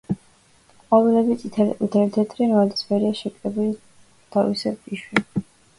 ყვავილები წითელი, ყვითელი, თეთრი ან ვარდისფერია, შეკრებილი თავაკისებრ, იშვიათად მტევნისებრ ყვავილებად.